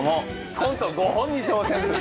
コント５本に挑戦。